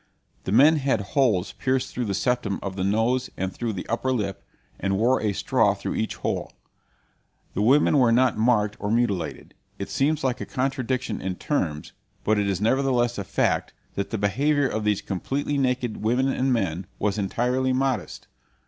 The men had holes pierced through the septum of the nose and through the upper lip, and wore a straw through each hole. The women were not marked or mutilated. It seems like a contradiction in terms, but it is nevertheless a fact that the behavior of these completely naked women and men was entirely modest.